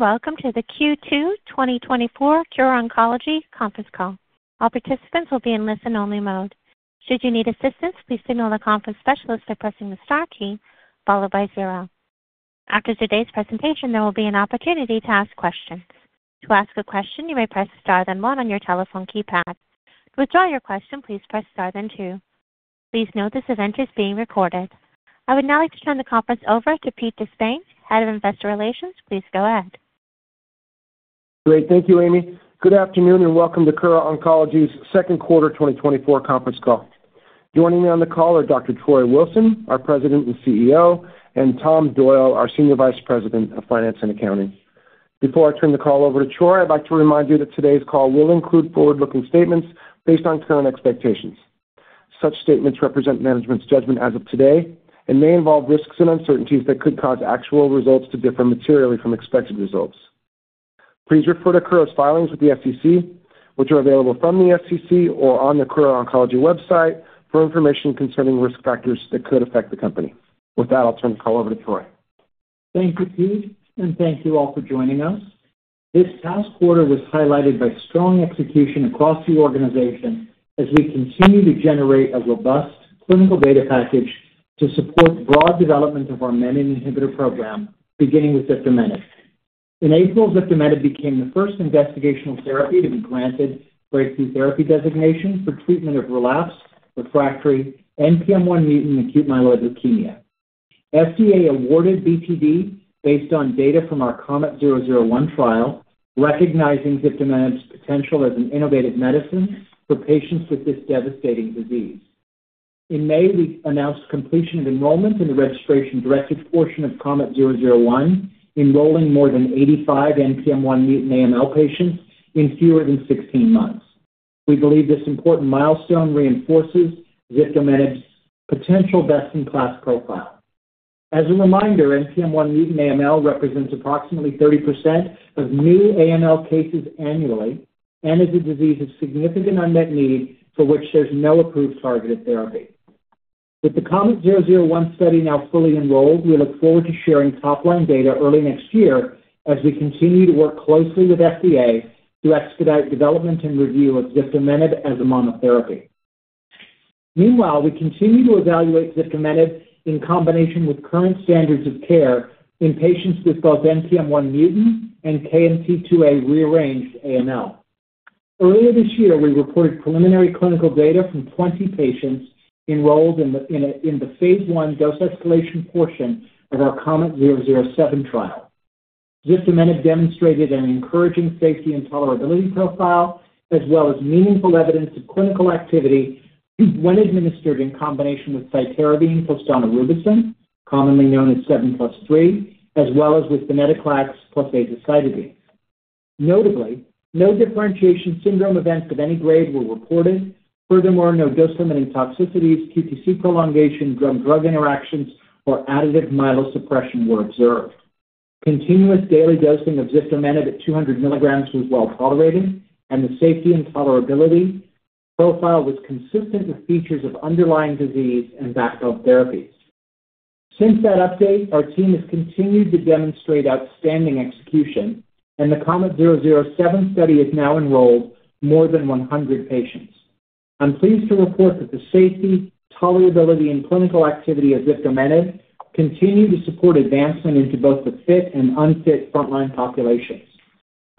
Welcome to the Q2 2024 Kura Oncology Conference Call. All participants will be in listen-only mode. Should you need assistance, please signal the conference specialist by pressing the star key followed by zero. After today's presentation, there will be an opportunity to ask questions. To ask a question, you may press star then one on your telephone keypad. To withdraw your question, please press star then two. Please note this event is being recorded. I would now like to turn the conference over to Pete De Spain, Head of Investor Relations. Please go ahead. Great. Thank you, Amy. Good afternoon, and welcome to Kura Oncology's second quarter 2024 conference call. Joining me on the call are Dr. Troy Wilson, our President and CEO, and Tom Doyle, our Senior Vice President of Finance and Accounting. Before I turn the call over to Troy, I'd like to remind you that today's call will include forward-looking statements based on current expectations. Such statements represent management's judgment as of today and may involve risks and uncertainties that could cause actual results to differ materially from expected results. Please refer to Kura's filings with the SEC, which are available from the SEC or on the Kura Oncology website, for information concerning risk factors that could affect the company. With that, I'll turn the call over to Troy. Thank you, Pete, and thank you all for joining us. This past quarter was highlighted by strong execution across the organization as we continue to generate a robust clinical data package to support broad development of our menin inhibitor program, beginning with ziftomenib. In April, ziftomenib became the first investigational therapy to be granted breakthrough therapy designation for treatment of relapsed, refractory NPM1 mutant acute myeloid leukemia. FDA awarded BTD based on data from our KOMET-001 trial, recognizing ziftomenib's potential as an innovative medicine for patients with this devastating disease. In May, we announced completion of enrollment in the registration-directed portion of KOMET-001, enrolling more than 85 NPM1 mutant AML patients in fewer than 16 months. We believe this important milestone reinforces ziftomenib's potential best-in-class profile. As a reminder, NPM1 mutant AML represents approximately 30% of new AML cases annually and is a disease of significant unmet need for which there's no approved targeted therapy. With the KOMET-001 study now fully enrolled, we look forward to sharing top-line data early next year as we continue to work closely with FDA to expedite development and review of ziftomenib as a monotherapy. Meanwhile, we continue to evaluate ziftomenib in combination with current standards of care in patients with both NPM1 mutant and KMT2A rearranged AML. Earlier this year, we reported preliminary clinical data from 20 patients enrolled in the phase 1 dose escalation portion of our KOMET-007 trial. Ziftomenib demonstrated an encouraging safety and tolerability profile, as well as meaningful evidence of clinical activity when administered in combination with cytarabine plus daunorubicin, commonly known as 7+3, as well as with venetoclax plus azacitidine. Notably, no differentiation syndrome events of any grade were reported. Furthermore, no dose-limiting toxicities, QTc prolongation, drug-drug interactions, or additive myelosuppression were observed. Continuous daily dosing of ziftomenib at 200 milligrams was well-tolerated, and the safety and tolerability profile was consistent with features of underlying disease and background therapies. Since that update, our team has continued to demonstrate outstanding execution, and the KOMET-007 study has now enrolled more than 100 patients. I'm pleased to report that the safety, tolerability, and clinical activity of ziftomenib continue to support advancement into both the fit and unfit frontline populations.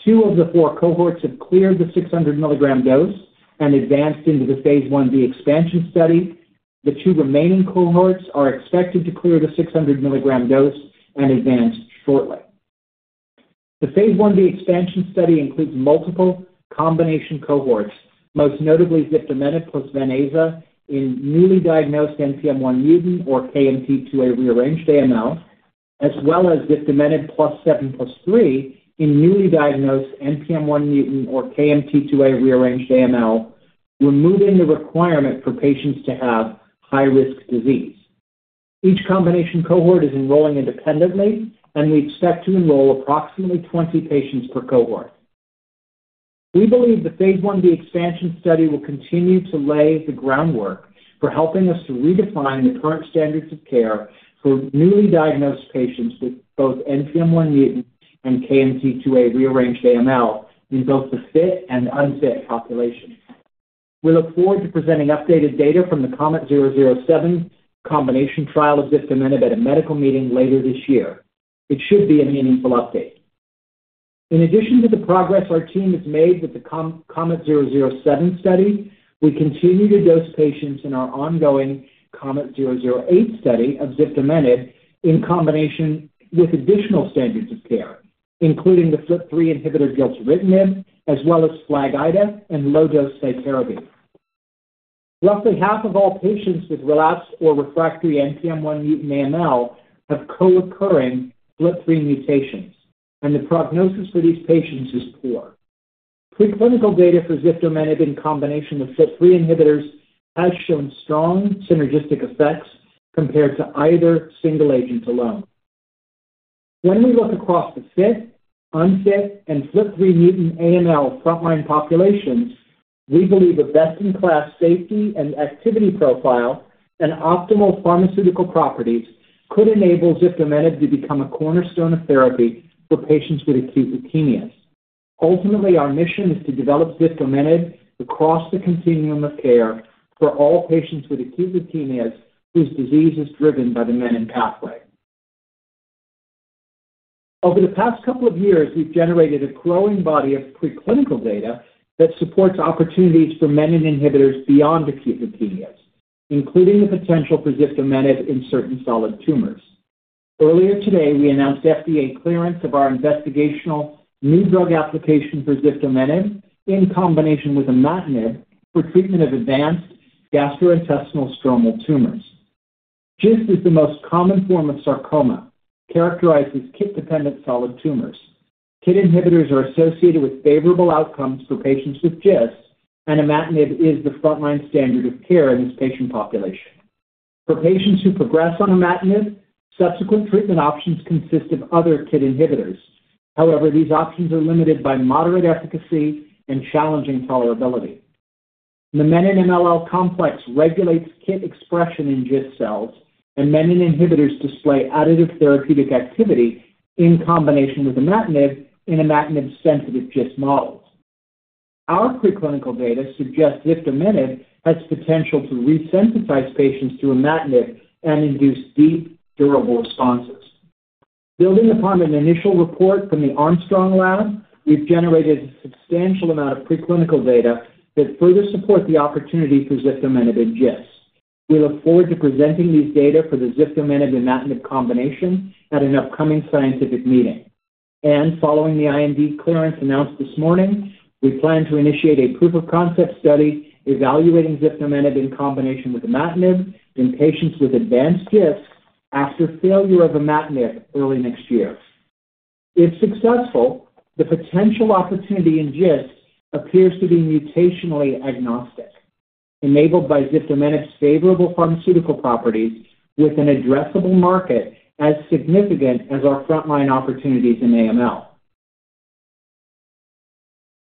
Two of the four cohorts have cleared the 600 milligram dose and advanced into the phase 1b expansion study. The two remaining cohorts are expected to clear the 600 milligram dose and advance shortly. The phase 1b expansion study includes multiple combination cohorts, most notably ziftomenib plus Ven/Aza in newly diagnosed NPM1 mutant or KMT2A rearranged AML, as well as ziftomenib plus 7+3 in newly diagnosed NPM1 mutant or KMT2A rearranged AML, removing the requirement for patients to have high-risk disease. Each combination cohort is enrolling independently, and we expect to enroll approximately 20 patients per cohort. We believe the phase 1b expansion study will continue to lay the groundwork for helping us to redefine the current standards of care for newly diagnosed patients with both NPM1 mutant and KMT2A rearranged AML in both the fit and unfit populations. We look forward to presenting updated data from the KOMET-007 combination trial of ziftomenib at a medical meeting later this year. It should be a meaningful update. In addition to the progress our team has made with the KOMET-007 study, we continue to dose patients in our ongoing KOMET-008 study of ziftomenib in combination with additional standards of care, including the FLT3 inhibitor gilteritinib, as well as FLAG-Ida and low-dose cytarabine. Roughly half of all patients with relapsed or refractory NPM1 mutant AML have co-occurring FLT3 mutations, and the prognosis for these patients is poor. Preclinical data for ziftomenib in combination with FLT3 inhibitors has shown strong synergistic effects compared to either single agent alone. When we look across the fit, unfit, and FLT3 mutant AML frontline populations. We believe a best-in-class safety and activity profile and optimal pharmaceutical properties could enable ziftomenib to become a cornerstone of therapy for patients with acute leukemias. Ultimately, our mission is to develop ziftomenib across the continuum of care for all patients with acute leukemias whose disease is driven by the menin pathway. Over the past couple of years, we've generated a growing body of preclinical data that supports opportunities for menin inhibitors beyond acute leukemias, including the potential for ziftomenib in certain solid tumors. Earlier today, we announced FDA clearance of our investigational new drug application for ziftomenib, in combination with imatinib, for treatment of advanced gastrointestinal stromal tumors. GIST is the most common form of sarcoma, characterized as KIT-dependent solid tumors. KIT inhibitors are associated with favorable outcomes for patients with GIST, and imatinib is the frontline standard of care in this patient population. For patients who progress on imatinib, subsequent treatment options consist of other KIT inhibitors. However, these options are limited by moderate efficacy and challenging tolerability. The menin-MLL complex regulates KIT expression in GIST cells, and menin inhibitors display additive therapeutic activity in combination with imatinib in imatinib-sensitive GIST models. Our preclinical data suggests ziftomenib has potential to resensitize patients to imatinib and induce deep, durable responses. Building upon an initial report from the Armstrong Lab, we've generated a substantial amount of preclinical data that further support the opportunity for ziftomenib in GIST. We look forward to presenting these data for the ziftomenib and imatinib combination at an upcoming scientific meeting. Following the IND clearance announced this morning, we plan to initiate a proof-of-concept study evaluating ziftomenib in combination with imatinib in patients with advanced GIST after failure of imatinib early next year. If successful, the potential opportunity in GIST appears to be mutationally agnostic, enabled by ziftomenib's favorable pharmaceutical properties with an addressable market as significant as our frontline opportunities in AML.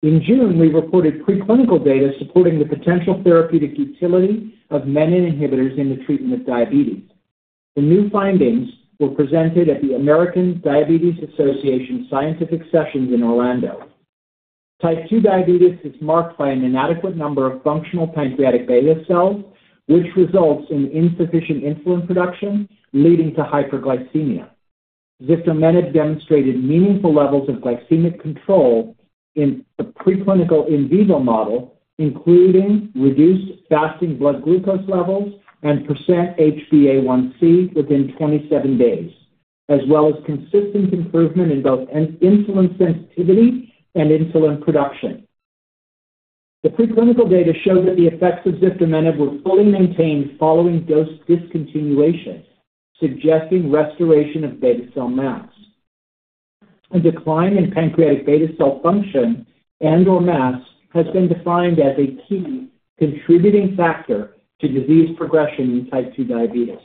In June, we reported preclinical data supporting the potential therapeutic utility of menin inhibitors in the treatment of diabetes. The new findings were presented at the American Diabetes Association Scientific Sessions in Orlando. Type 2 diabetes is marked by an inadequate number of functional pancreatic beta cells, which results in insufficient insulin production, leading to hyperglycemia. Ziftomenib demonstrated meaningful levels of glycemic control in a preclinical in vivo model, including reduced fasting blood glucose levels and HbA1c % within 27 days, as well as consistent improvement in both insulin sensitivity and insulin production. The preclinical data showed that the effects of ziftomenib were fully maintained following dose discontinuation, suggesting restoration of beta cell mass. A decline in pancreatic beta cell function and/or mass has been defined as a key contributing factor to disease progression in type 2 diabetes.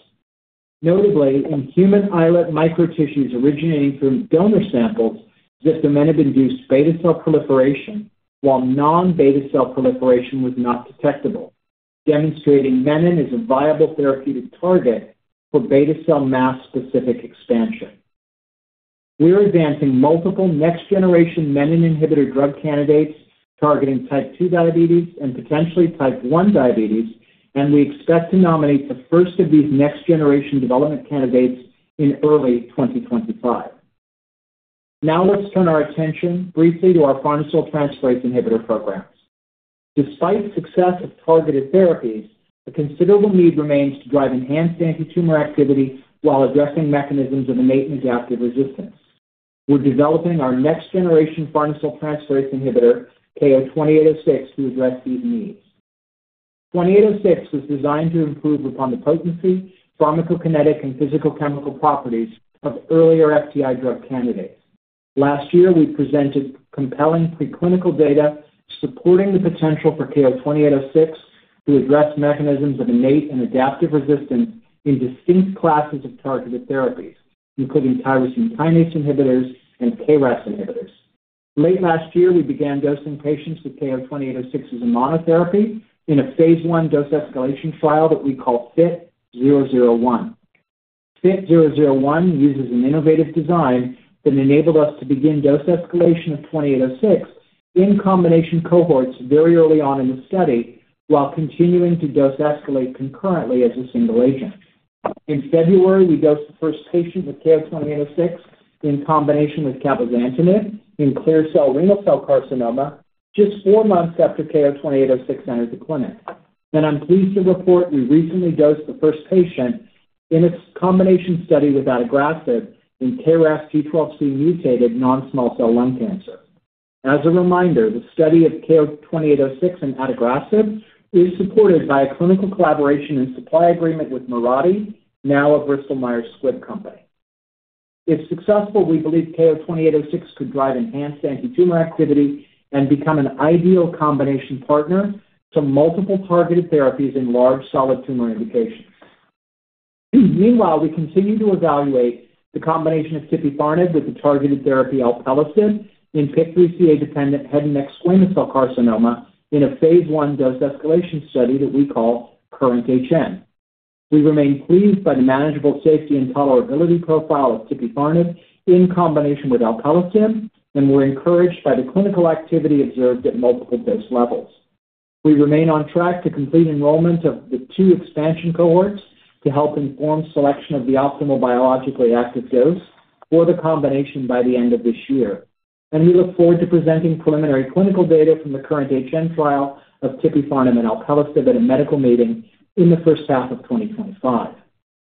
Notably, in human islet microtissues originating from donor samples, ziftomenib induced beta cell proliferation, while non-beta cell proliferation was not detectable, demonstrating menin is a viable therapeutic target for beta cell mass-specific expansion. We are advancing multiple next-generation menin inhibitor drug candidates targeting type 2 diabetes and potentially type 1 diabetes, and we expect to nominate the first of these next-generation development candidates in early 2025. Now let's turn our attention briefly to our farnesyltransferase inhibitor programs. Despite success of targeted therapies, a considerable need remains to drive enhanced antitumor activity while addressing mechanisms of innate and adaptive resistance. We're developing our next-generation farnesyltransferase inhibitor, KO-2806, to address these needs. KO-2806 was designed to improve upon the potency, pharmacokinetic, and physicochemical properties of earlier FTI drug candidates. Last year, we presented compelling preclinical data supporting the potential for KO-2806 to address mechanisms of innate and adaptive resistance in distinct classes of targeted therapies, including tyrosine kinase inhibitors and KRAS inhibitors. Late last year, we began dosing patients with KO-2806 as a monotherapy in a phase 1 dose escalation trial that we call FIT-001. FIT-001 uses an innovative design that enabled us to begin dose escalation of KO-2806 in combination cohorts very early on in the study, while continuing to dose escalate concurrently as a single agent. In February, we dosed the first patient with KO-2806 in combination with cabozantinib in clear cell renal cell carcinoma just four months after KO-2806 entered the clinic. I'm pleased to report we recently dosed the first patient in its combination study with adagrasib in KRAS G12C mutated non-small cell lung cancer. As a reminder, the study of KO-2806 and adagrasib is supported by a clinical collaboration and supply agreement with Mirati, now a Bristol Myers Squibb company. If successful, we believe KO-2806 could drive enhanced antitumor activity and become an ideal combination partner to multiple targeted therapies in large solid tumor indications. Meanwhile, we continue to evaluate the combination of tipifarnib with the targeted therapy alpelisib in PIK3CA-dependent head and neck squamous cell carcinoma in a phase 1 dose-escalation study that we call KURRENT-HN. We remain pleased by the manageable safety and tolerability profile of tipifarnib in combination with alpelisib, and we're encouraged by the clinical activity observed at multiple dose levels. We remain on track to complete enrollment of the two expansion cohorts to help inform selection of the optimal biologically active dose for the combination by the end of this year. We look forward to presenting preliminary clinical data from the KURRENT-HN trial of tipifarnib and alpelisib at a medical meeting in the first half of 2025.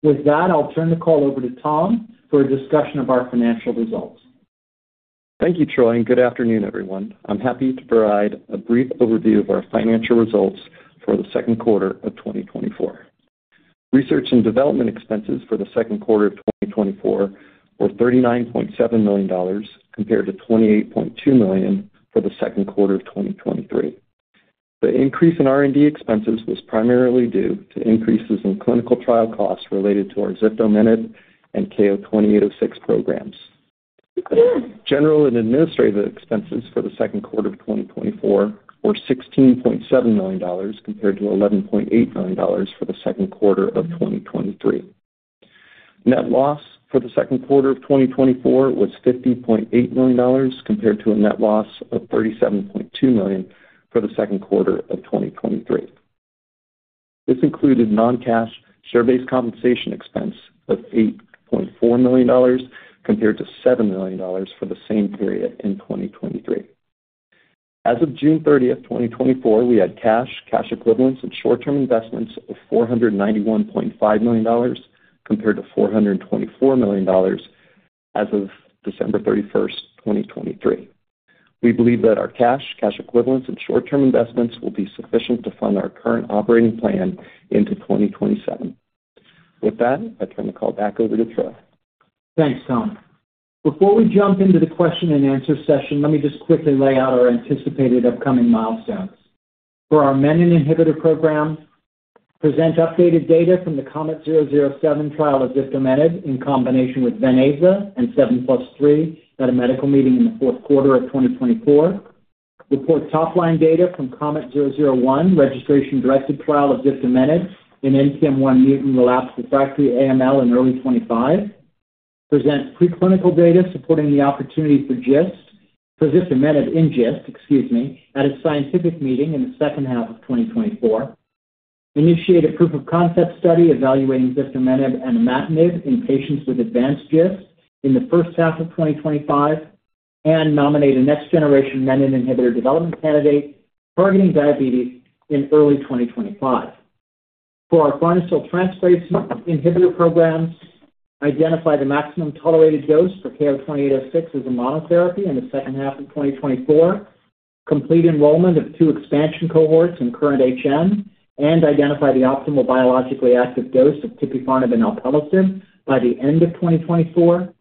With that, I'll turn the call over to Tom for a discussion of our financial results. Thank you, Troy, and good afternoon, everyone. I'm happy to provide a brief overview of our financial results for the second quarter of 2024. Research and development expenses for the second quarter of 2024 were $39.7 million compared to $28.2 million for the second quarter of 2023. The increase in R&D expenses was primarily due to increases in clinical trial costs related to our ziftomenib and KO-2806 programs. General and administrative expenses for the second quarter of 2024 were $16.7 million compared to $11.8 million for the second quarter of 2023. Net loss for the second quarter of 2024 was $50.8 million, compared to a net loss of $37.2 million for the second quarter of 2023. This included non-cash, share-based compensation expense of $8.4 million compared to $7 million for the same period in 2023. As of June 30, 2024, we had cash, cash equivalents and short-term investments of $491.5 million compared to $424 million as of December 31, 2023. We believe that our cash, cash equivalents and short-term investments will be sufficient to fund our current operating plan into 2027. With that, I turn the call back over to Troy. Thanks, Tom. Before we jump into the question and answer session, let me just quickly lay out our anticipated upcoming milestones. For our menin inhibitor program, present updated data from the KOMET-007 trial of ziftomenib in combination with Ven/Aza and 7+3 at a medical meeting in the fourth quarter of 2024. Report top line data from KOMET-001, registration directed trial of ziftomenib in NPM1 mutant relapsed refractory AML in early 2025. Present preclinical data supporting the opportunity for GIST, for ziftomenib in GIST, excuse me, at a scientific meeting in the second half of 2024. Initiate a proof of concept study evaluating ziftomenib and imatinib in patients with advanced GIST in the first half of 2025, and nominate a next-generation menin inhibitor development candidate targeting diabetes in early 2025. For our farnesyltransferase inhibitor programs, identify the maximum tolerated dose for KO-2806 as a monotherapy in the second half of 2024. Complete enrollment of 2 expansion cohorts in KURRENT-HN and identify the optimal biologically active dose of tipifarnib and alpelisib by the end of 2024,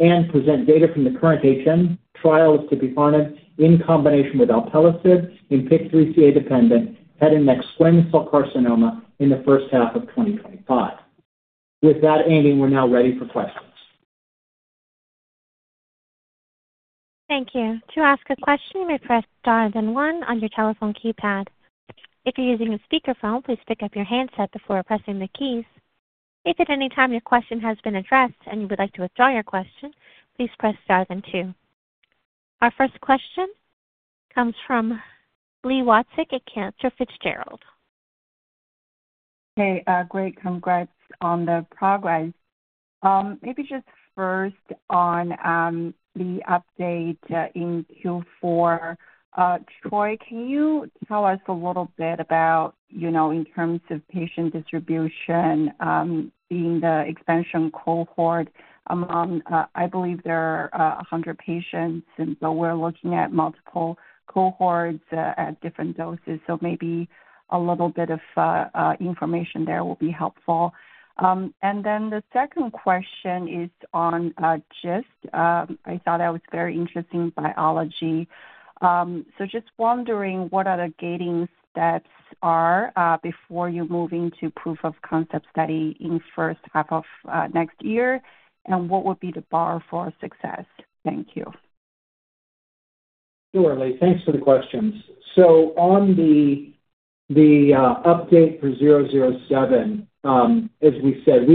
and present data from the KURRENT-HN trial of tipifarnib in combination with alpelisib in PIK3CA-dependent head and neck squamous cell carcinoma in the first half of 2025. With that, Amy, we're now ready for questions. Thank you. To ask a question, press Star then one on your telephone keypad. If you're using a speakerphone, please pick up your handset before pressing the keys. If at any time your question has been addressed and you would like to withdraw your question, please press Star then two. Our first question comes from Li Watsek at Cantor Fitzgerald. Hey, great. Congrats on the progress. Maybe just first on the update in Q4. Troy, can you tell us a little bit about, you know, in terms of patient distribution being the expansion cohort among, I believe there are 100 patients, and so we're looking at multiple cohorts at different doses. So maybe a little bit of information there will be helpful. And then the second question is on GIST. I thought that was very interesting biology. So just wondering what other gating steps are before you move into proof of concept study in first half of next year, and what would be the bar for success? Thank you. Sure, Li. Thanks for the questions. So on the update for KOMET-007, as we said,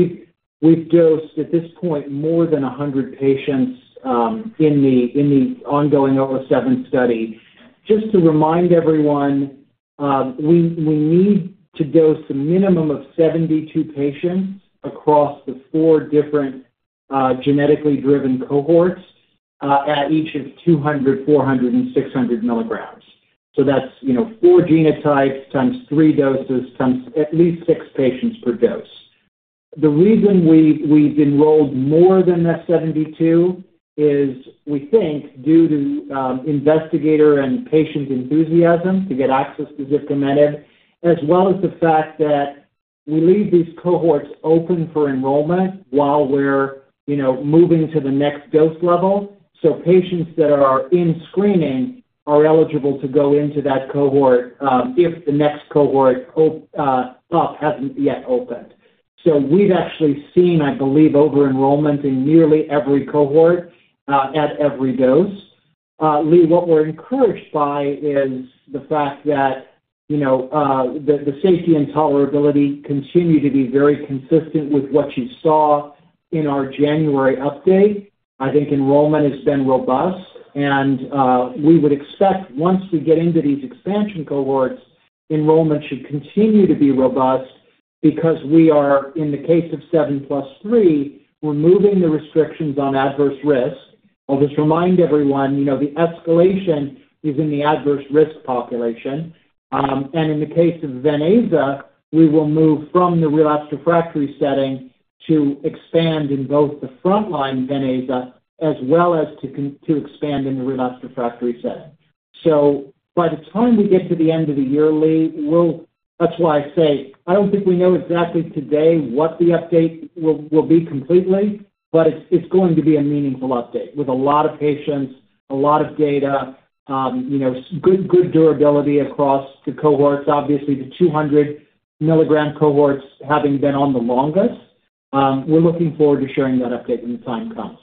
we've dosed, at this point, more than 100 patients in the ongoing KOMET-007 study. Just to remind everyone, we need to dose a minimum of 72 patients across the 4 different genetically driven cohorts at each of 200, 400, and 600 milligrams. So that's, you know, 4 genotypes times 3 doses, times at least 6 patients per dose. The reason we've enrolled more than that 72 is, we think, due to investigator and patient enthusiasm to get access to ziftomenib, as well as the fact that we leave these cohorts open for enrollment while we're, you know, moving to the next dose level. So patients that are in screening are eligible to go into that cohort, if the next cohort hasn't yet opened. So we've actually seen, I believe, over-enrollment in nearly every cohort, at every dose. Li, what we're encouraged by is the fact that, you know, the safety and tolerability continue to be very consistent with what you saw in our January update. I think enrollment has been robust, and we would expect once we get into these expansion cohorts, enrollment should continue to be robust because we are, in the case of 7+3, removing the restrictions on adverse risk. I'll just remind everyone, you know, the escalation is in the adverse risk population. And in the case of Ven/Aza, we will move from the relapsed refractory setting to expand in both the frontline Ven/Aza, as well as to expand in the relapsed refractory setting. So by the time we get to the end of the year, Li, we'll, that's why I say, I don't think we know exactly today what the update will be completely, but it's going to be a meaningful update with a lot of patients, a lot of data, you know, good, good durability across the cohorts, obviously, the 200 milligram cohorts having been on the longest. We're looking forward to sharing that update when the time comes.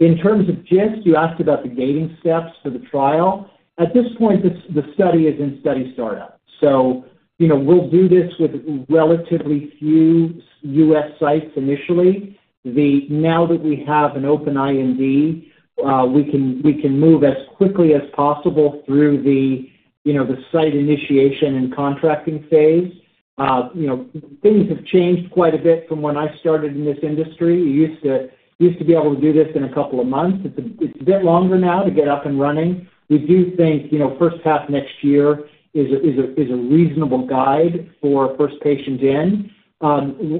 In terms of GIST, you asked about the gating steps for the trial. At this point, the study is in study startup, so, you know, we'll do this with relatively few US sites initially. Now that we have an open IND, we can move as quickly as possible through the, you know, the site initiation and contracting phase. You know, things have changed quite a bit from when I started in this industry. You used to be able to do this in a couple of months. It's a bit longer now to get up and running. We do think, you know, first half next year is a reasonable guide for first patient in.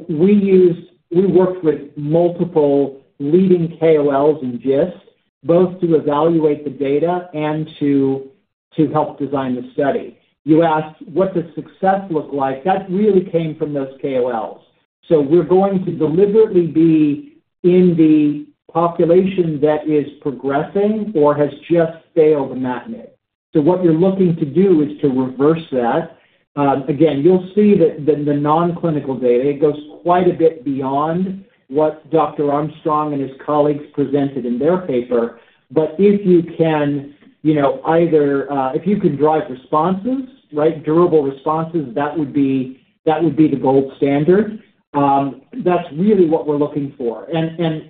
We worked with multiple leading KOLs in GIST, both to evaluate the data and to help design the study. You asked, what does success look like? That really came from those KOLs. So we're going to deliberately be in the population that is progressing or has just failed imatinib. So what you're looking to do is to reverse that. Again, you'll see that the, the non-clinical data, it goes quite a bit beyond what Dr. Armstrong and his colleagues presented in their paper. But if you can, you know, either, if you can drive responses, right, durable responses, that would be, that would be the gold standard. That's really what we're looking for. And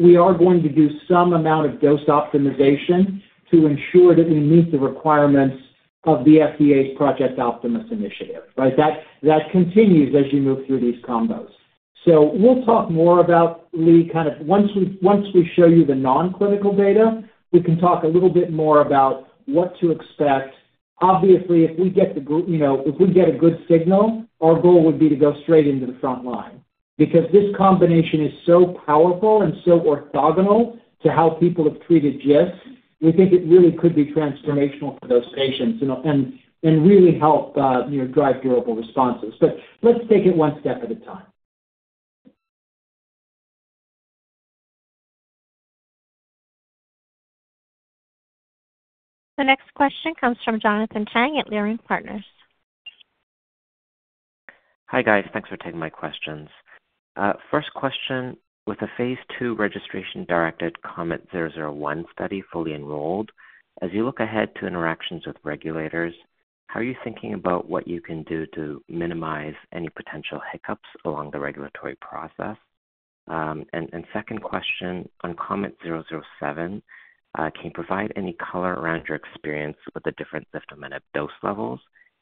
we are going to do some amount of dose optimization to ensure that we meet the requirements of the FDA's Project Optimus initiative, right? That continues as you move through these combos. So we'll talk more about, Li, kind of once we show you the non-clinical data, we can talk a little bit more about what to expect. Obviously, if we get you know, if we get a good signal, our goal would be to go straight into the front line. Because this combination is so powerful and so orthogonal to how people have treated GIST, we think it really could be transformational for those patients, you know, and really help, you know, drive durable responses. But let's take it one step at a time. The next question comes from Jonathan Chang at Leerink Partners. Hi, guys. Thanks for taking my questions. First question, with the phase 2 registration-directed KOMET-001 study fully enrolled, as you look ahead to interactions with regulators, how are you thinking about what you can do to minimize any potential hiccups along the regulatory process? And second question, on KOMET-007, can you provide any color around your experience with the different ziftomenib dose levels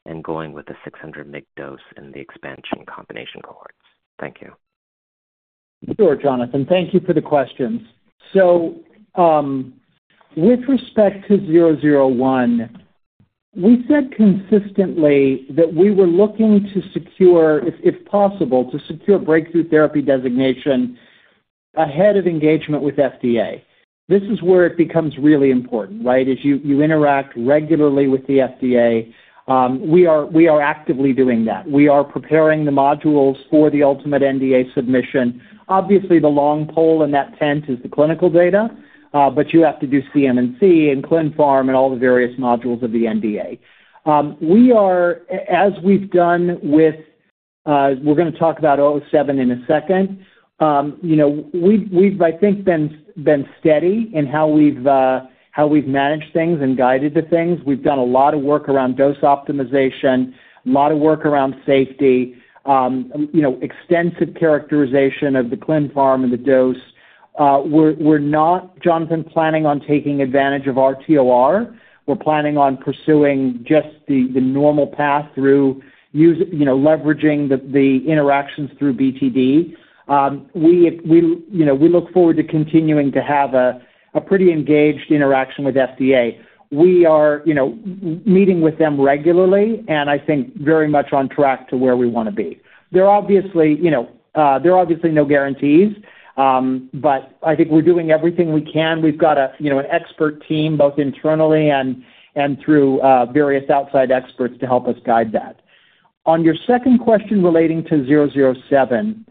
and going with the 600 mg dose in the expansion combination cohorts? Thank you. Sure, Jonathan. Thank you for the questions. So, with respect to zero zero one, we said consistently that we were looking to secure, if possible, to secure breakthrough therapy designation ahead of engagement with FDA. This is where it becomes really important, right? As you interact regularly with the FDA, we are actively doing that. We are preparing the modules for the ultimate NDA submission. Obviously, the long pole in that tent is the clinical data, but you have to do CMC and clin pharm and all the various modules of the NDA. As we've done with, we're gonna talk about zero zero seven in a second. You know, we've, I think, been steady in how we've managed things and guided the things. We've done a lot of work around dose optimization, a lot of work around safety, you know, extensive characterization of the clinical pharmacology and the dose. We're not, Jonathan, planning on taking advantage of RTOR. We're planning on pursuing just the normal path through the U.S., you know, leveraging the interactions through BTD. We, you know, look forward to continuing to have a pretty engaged interaction with FDA. We are, you know, meeting with them regularly, and I think very much on track to where we wanna be. There are obviously, you know, there are obviously no guarantees, but I think we're doing everything we can. We've got a, you know, an expert team, both internally and through various outside experts to help us guide that. On your second question relating to KOMET-007,...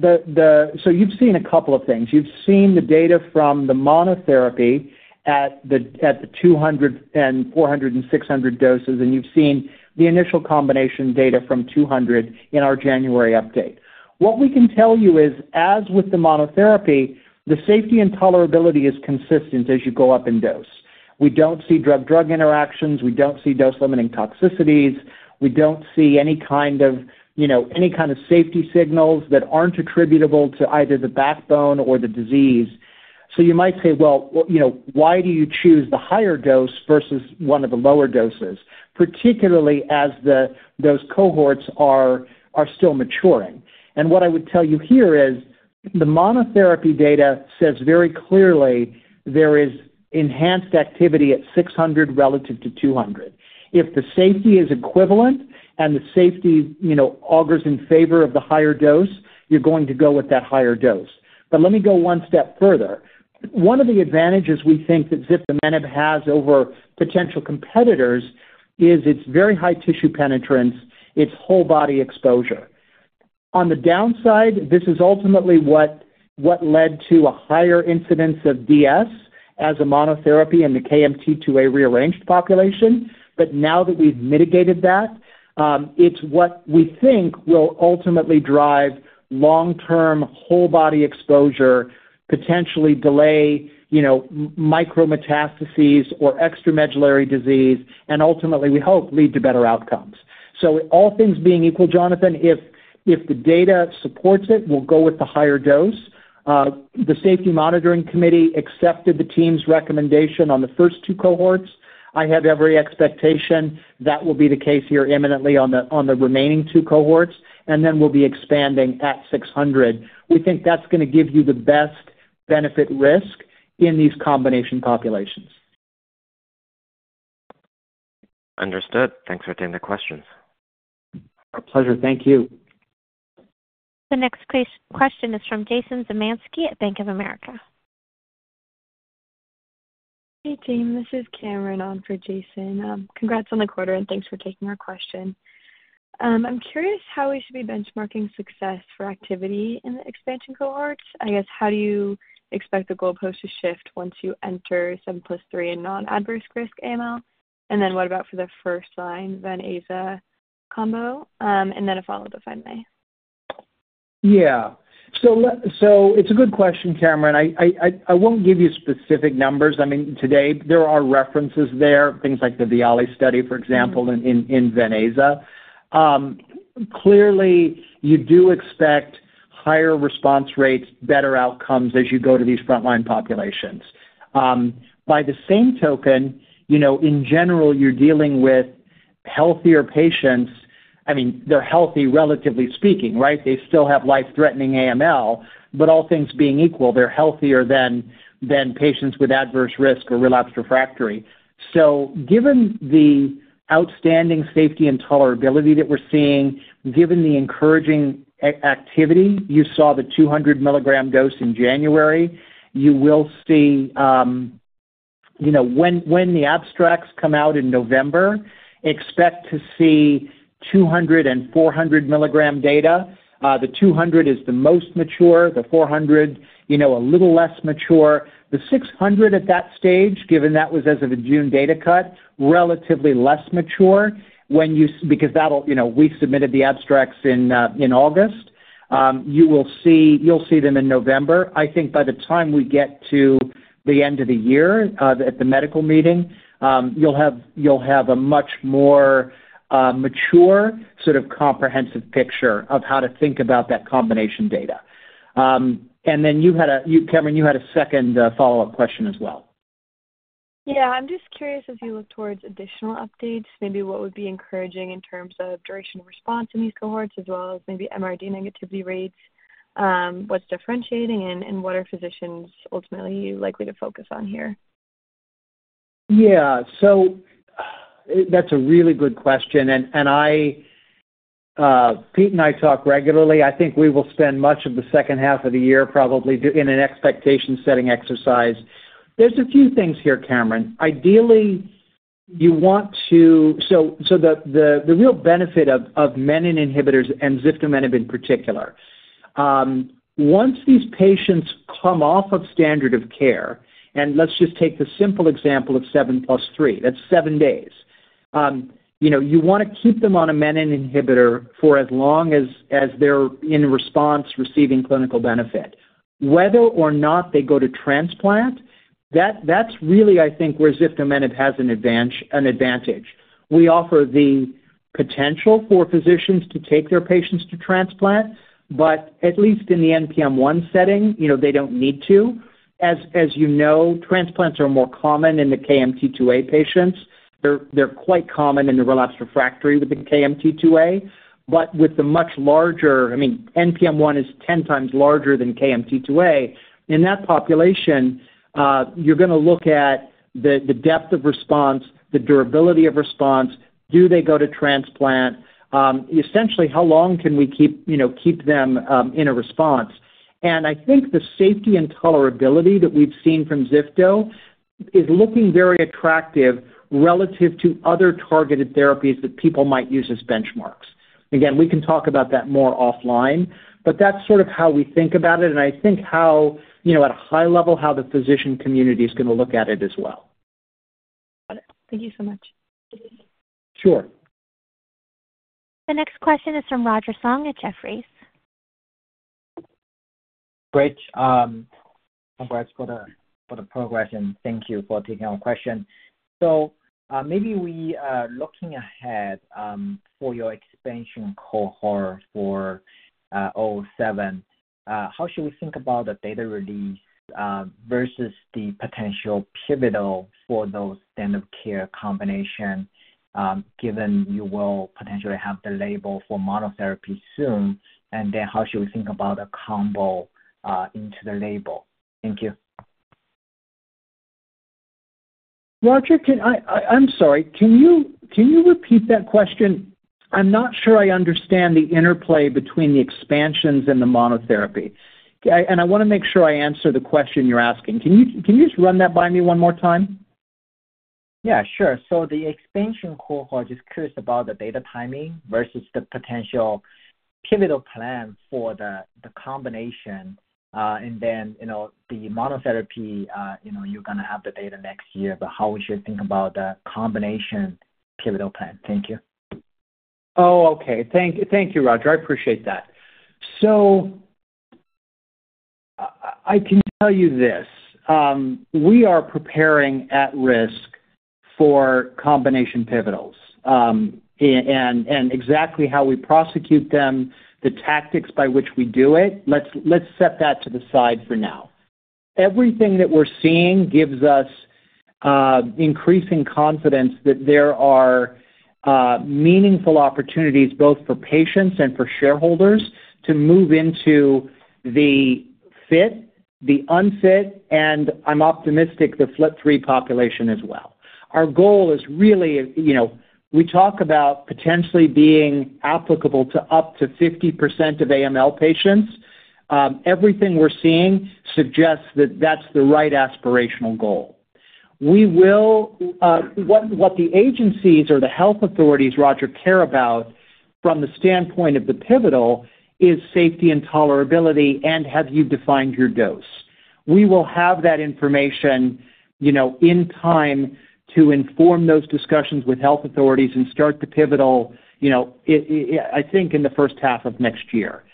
So you've seen a couple of things. You've seen the data from the monotherapy at the 200 and 400 and 600 doses, and you've seen the initial combination data from 200 in our January update. What we can tell you is, as with the monotherapy, the safety and tolerability is consistent as you go up in dose. We don't see drug-drug interactions, we don't see dose-limiting toxicities, we don't see any kind of, you know, any kind of safety signals that aren't attributable to either the backbone or the disease. So you might say, well, you know, why do you choose the higher dose versus one of the lower doses, particularly as those cohorts are still maturing? And what I would tell you here is, the monotherapy data says very clearly there is enhanced activity at 600 relative to 200. If the safety is equivalent and the safety, you know, augurs in favor of the higher dose, you're going to go with that higher dose. But let me go one step further. One of the advantages we think that Ziftomenib has over potential competitors is its very high tissue penetrance, its whole body exposure. On the downside, this is ultimately what led to a higher incidence of DS as a monotherapy in the KMT2A rearranged population. But now that we've mitigated that, it's what we think will ultimately drive long-term whole body exposure, potentially delay, you know, micro metastases or extramedullary disease, and ultimately, we hope, lead to better outcomes. So all things being equal, Jonathan, if the data supports it, we'll go with the higher dose. The safety monitoring committee accepted the team's recommendation on the first two cohorts. I have every expectation that will be the case here imminently on the remaining two cohorts, and then we'll be expanding at 600. We think that's gonna give you the best benefit risk in these combination populations. Understood. Thanks for taking the questions. Our pleasure. Thank you. The next question is from Jason Zemansky at Bank of America. Hey, team, this is Karen on for Jason. Congrats on the quarter, and thanks for taking our question. I'm curious how we should be benchmarking success for activity in the expansion cohorts. I guess, how do you expect the goalpost to shift once you enter 7+3 in non-adverse risk AML? And then what about for the first line, Ven/Aza combo? And then a follow-up, if I may. Yeah. So it's a good question, Karen. I won't give you specific numbers. I mean, today, there are references there, things like the VIALE study, for example, in venetoclax. Clearly, you do expect higher response rates, better outcomes as you go to these frontline populations. By the same token, you know, in general, you're dealing with healthier patients. I mean, they're healthy, relatively speaking, right? They still have life-threatening AML, but all things being equal, they're healthier than patients with adverse risk or relapsed refractory. So given the outstanding safety and tolerability that we're seeing, given the encouraging activity, you saw the 200 milligram dose in January, you will see, you know, when the abstracts come out in November, expect to see 200- and 400-milligram data. The 200 is the most mature, the 400, you know, a little less mature. The 600 at that stage, given that was as of a June data cut, relatively less mature. You know, we submitted the abstracts in August. You will see—you'll see them in November. I think by the time we get to the end of the year, at the medical meeting, you'll have, you'll have a much more mature, sort of comprehensive picture of how to think about that combination data. And then you had a, you, Karen, you had a second follow-up question as well. Yeah, I'm just curious, as you look towards additional updates, maybe what would be encouraging in terms of duration of response in these cohorts, as well as maybe MRD negativity rates, what's differentiating and what are physicians ultimately likely to focus on here? Yeah. So that's a really good question, and I, Pete and I talk regularly. I think we will spend much of the second half of the year, probably doing an expectation-setting exercise. There's a few things here, Karen. Ideally, you want to... So, the real benefit of menin inhibitors and Ziftomenib in particular, once these patients come off of standard of care, and let's just take the simple example of 7+3, that's 7 days. You know, you wanna keep them on a menin inhibitor for as long as they're in response, receiving clinical benefit. Whether or not they go to transplant, that's really, I think, where Ziftomenib has an advantage. We offer the potential for physicians to take their patients to transplant, but at least in the NPM1 setting, you know, they don't need to. As you know, transplants are more common in the KMT2A patients. They're quite common in the relapsed refractory with the KMT2A, but with the much larger... I mean, NPM1 is 10 times larger than KMT2A. In that population, you're gonna look at the depth of response, the durability of response. Do they go to transplant? Essentially, how long can we keep, you know, keep them in a response?... I think the safety and tolerability that we've seen from ziftomenib is looking very attractive relative to other targeted therapies that people might use as benchmarks. Again, we can talk about that more offline, but that's sort of how we think about it, and I think how, you know, at a high level, how the physician community is gonna look at it as well. Got it. Thank you so much. Sure. The next question is from Roger Song at Jefferies. Great, congrats for the progression. Thank you for taking our question. So, maybe we are looking ahead for your expansion cohort for KOMET-007. How should we think about the data release versus the potential pivotal for those standard of care combinations, given you will potentially have the label for monotherapy soon? And then how should we think about a combo into the label? Thank you. Roger, I'm sorry, can you, can you repeat that question? I'm not sure I understand the interplay between the expansions and the monotherapy. And I wanna make sure I answer the question you're asking. Can you, can you just run that by me one more time? Yeah, sure. So the expansion cohort, just curious about the data timing versus the potential pivotal plan for the, the combination. And then, you know, the monotherapy, you know, you're gonna have the data next year, but how we should think about the combination pivotal plan? Thank you. Oh, okay. Thank you. Thank you, Roger. I appreciate that. So, I can tell you this, we are preparing at risk for combination pivotals, and exactly how we prosecute them, the tactics by which we do it, let's set that to the side for now. Everything that we're seeing gives us increasing confidence that there are meaningful opportunities both for patients and for shareholders to move into the fit, the unfit, and I'm optimistic, the FLT3 population as well. Our goal is really, you know, we talk about potentially being applicable to up to 50% of AML patients. Everything we're seeing suggests that that's the right aspirational goal. We will, what the agencies or the health authorities, Roger, care about from the standpoint of the pivotal, is safety and tolerability, and have you defined your dose? We will have that information, you know, in time to inform those discussions with health authorities and start the pivotal, you know, it, I think in the first half of next year.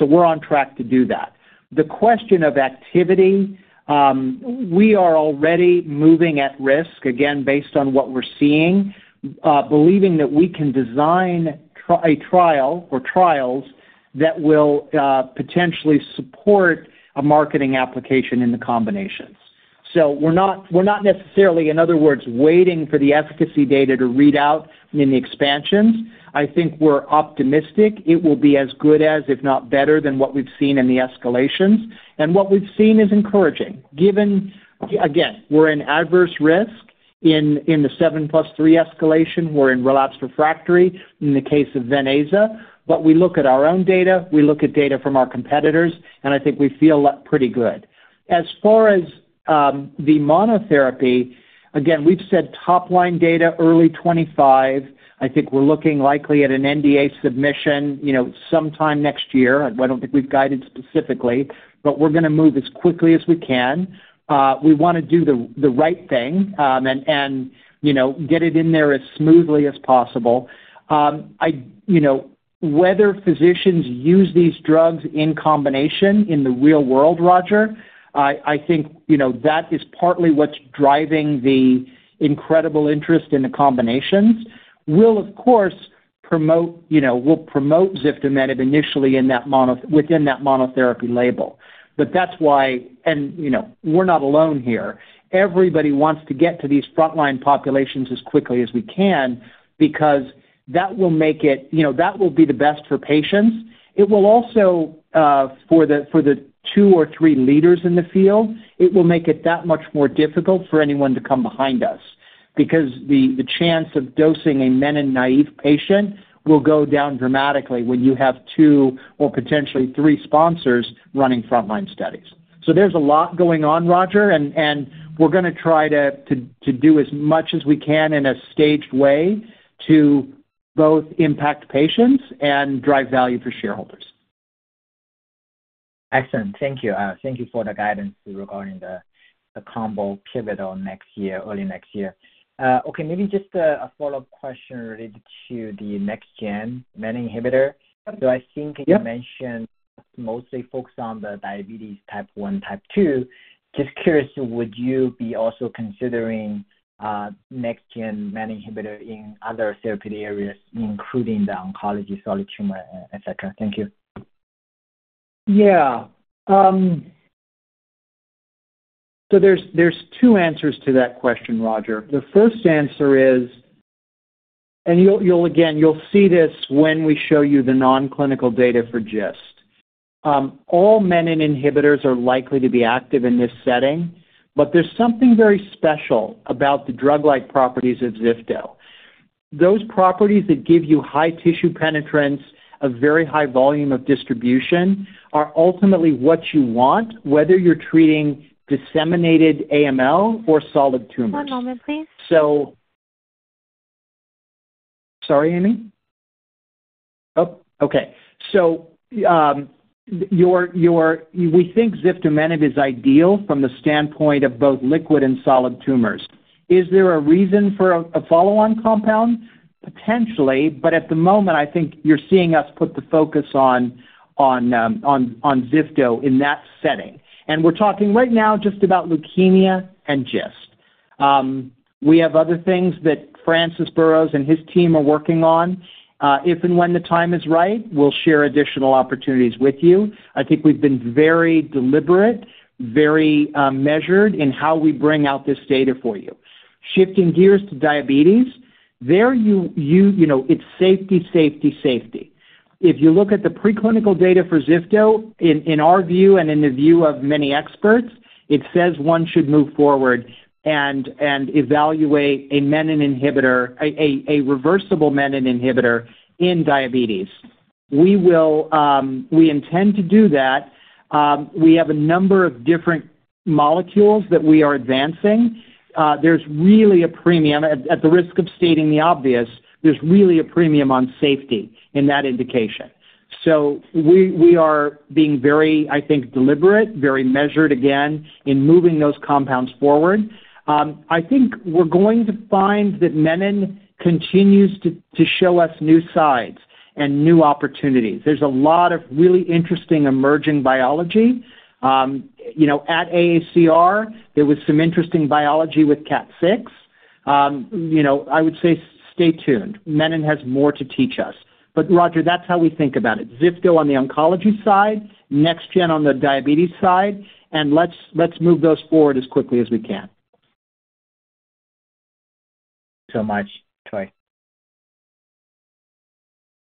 We're on track to do that. The question of activity, we are already moving at risk, again, based on what we're seeing, believing that we can design a trial or trials that will potentially support a marketing application in the combinations. We're not, we're not necessarily, in other words, waiting for the efficacy data to read out in the expansions. I think we're optimistic it will be as good as, if not better than what we've seen in the escalations. What we've seen is encouraging. Given, again, we're in adverse risk in the 7+3 escalation. We're in relapse refractory in the case of Ven/Aza, but we look at our own data, we look at data from our competitors, and I think we feel pretty good. As far as the monotherapy, again, we've said top line data, early 2025. I think we're looking likely at an NDA submission, you know, sometime next year. I don't think we've guided specifically, but we're gonna move as quickly as we can. We want to do the right thing, and, you know, get it in there as smoothly as possible. You know, whether physicians use these drugs in combination in the real world, Roger, I think, you know, that is partly what's driving the incredible interest in the combinations. We'll, of course, promote, you know, we'll promote Ziftomenib initially in that mono- within that monotherapy label. But that's why, you know, we're not alone here. Everybody wants to get to these frontline populations as quickly as we can because that will make it, you know, that will be the best for patients. It will also, for the two or three leaders in the field, it will make it that much more difficult for anyone to come behind us. Because the chance of dosing a menin-naive patient will go down dramatically when you have two or potentially three sponsors running frontline studies. So there's a lot going on, Roger, and we're gonna try to do as much as we can in a staged way to both impact patients and drive value for shareholders. Excellent. Thank you. Thank you for the guidance regarding the combo pivotal next year, early next year. Okay, maybe just a follow-up question related to the next-gen menin inhibitor. Yep. So I think you mentioned mostly focused on the diabetes type one, type two. Just curious, would you be also considering next-gen menin inhibitor in other therapeutic areas, including the oncology, solid tumor, et cetera? Thank you. Yeah. So there's two answers to that question, Roger. The first answer is, and you'll again see this when we show you the non-clinical data for GIST. All menin inhibitors are likely to be active in this setting, but there's something very special about the drug-like properties of ziftomenib. Those properties that give you high tissue penetrance, a very high volume of distribution, are ultimately what you want, whether you're treating disseminated AML or solid tumors. One moment, please. Sorry, Amy? Oh, okay. So, your... We think ziftomenib is ideal from the standpoint of both liquid and solid tumors. Is there a reason for a follow-on compound? Potentially, but at the moment, I think you're seeing us put the focus on ziftomenib in that setting. And we're talking right now just about leukemia and GIST. We have other things that Francis Burrows and his team are working on. If and when the time is right, we'll share additional opportunities with you. I think we've been very deliberate, very measured in how we bring out this data for you. Shifting gears to diabetes, you know, it's safety, safety, safety. If you look at the preclinical data for ziftomenib, in our view and in the view of many experts, it says one should move forward and evaluate a menin inhibitor, a reversible menin inhibitor in diabetes. We will, we intend to do that. We have a number of different molecules that we are advancing. There's really a premium... At the risk of stating the obvious, there's really a premium on safety in that indication. So we are being very, I think, deliberate, very measured, again, in moving those compounds forward. I think we're going to find that menin continues to show us new sides and new opportunities. There's a lot of really interesting emerging biology. You know, at AACR, there was some interesting biology with KAT6. You know, I would say stay tuned, menin has more to teach us. But Roger, that's how we think about it. Zifto on the oncology side, Nexgen on the diabetes side, and let's move those forward as quickly as we can. So much, Troy.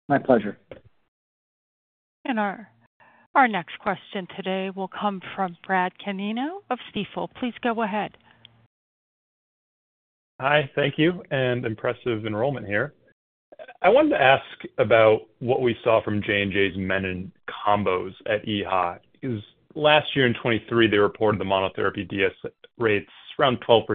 My pleasure. Our next question today will come from Brad Canino of Stifel. Please go ahead. Hi, thank you, and impressive enrollment here. I wanted to ask about what we saw from J&J's menin combos at EHA. Because last year in 2023, they reported the monotherapy DS rates around 12%,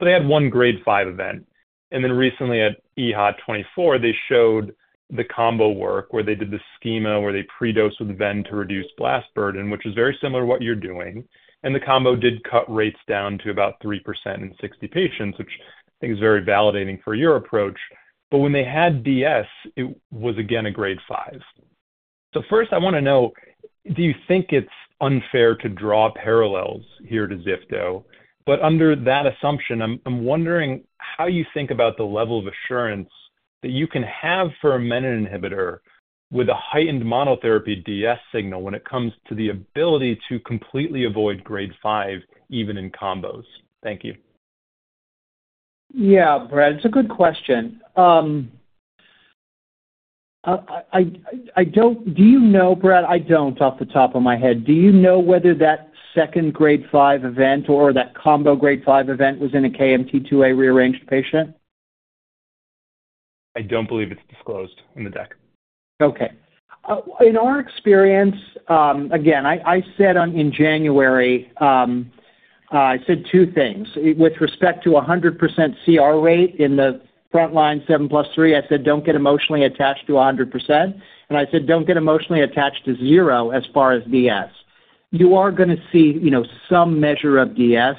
but they had 1 grade 5 event. And then recently at EHA 2024, they showed the combo work, where they did the schema, where they pre-dosed with ven to reduce blast burden, which is very similar to what you're doing. And the combo did cut rates down to about 3% in 60 patients, which I think is very validating for your approach. But when they had DS, it was, again, a grade 5. So first, I wanna know, do you think it's unfair to draw parallels here to Zifto? Under that assumption, I'm wondering how you think about the level of assurance that you can have for a menin inhibitor with a heightened monotherapy DS signal when it comes to the ability to completely avoid grade 5, even in combos? Thank you. Yeah, Brad, it's a good question. I don't... Do you know, Brad, I don't, off the top of my head. Do you know whether that second grade 5 event or that combo grade 5 event was in a KMT2A rearranged patient? I don't believe it's disclosed in the deck. Okay. In our experience, again, I said in January, I said two things. With respect to 100% CR rate in the frontline 7+3, I said, "Don't get emotionally attached to 100%," and I said, "Don't get emotionally attached to zero as far as DS." You are gonna see, you know, some measure of DS.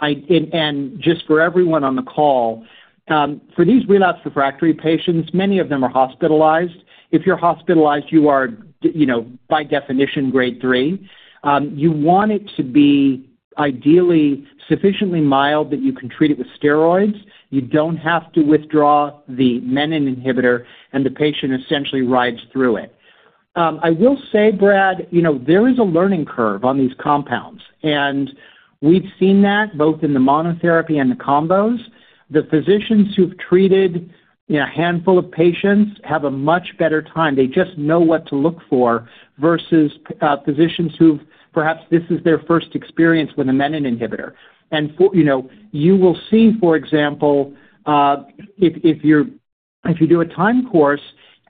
And just for everyone on the call, for these relapsed refractory patients, many of them are hospitalized. If you're hospitalized, you are, you know, by definition, grade three. You want it to be ideally sufficiently mild that you can treat it with steroids. You don't have to withdraw the menin inhibitor, and the patient essentially rides through it. I will say, Brad, you know, there is a learning curve on these compounds, and we've seen that both in the monotherapy and the combos. The physicians who've treated, you know, a handful of patients, have a much better time. They just know what to look for versus physicians who've perhaps this is their first experience with a menin inhibitor. You know, you will see, for example, if you do a time course,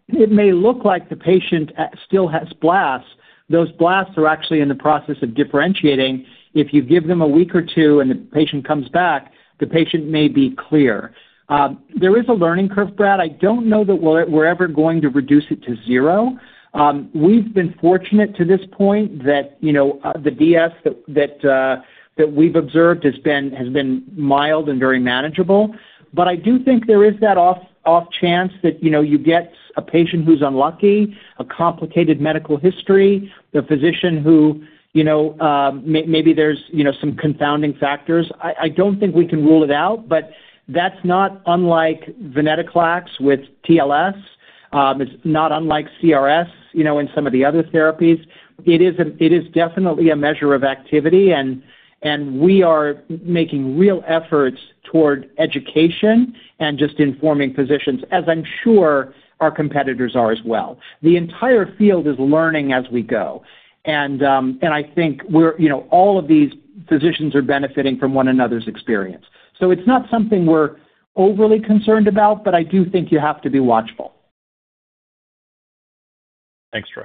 it may look like the patient still has blasts. Those blasts are actually in the process of differentiating. If you give them a week or two and the patient comes back, the patient may be clear. There is a learning curve, Brad. I don't know that we're ever going to reduce it to zero. We've been fortunate to this point that, you know, the DS that we've observed has been mild and very manageable. But I do think there is that off chance that, you know, you get a patient who's unlucky, a complicated medical history, the physician who, you know, maybe there's, you know, some confounding factors. I don't think we can rule it out, but that's not unlike venetoclax with TLS. It's not unlike CRS, you know, in some of the other therapies. It is definitely a measure of activity, and we are making real efforts toward education and just informing physicians, as I'm sure our competitors are as well. The entire field is learning as we go. And I think we're... You know, all of these physicians are benefiting from one another's experience. So it's not something we're overly concerned about, but I do think you have to be watchful. Thanks, Troy.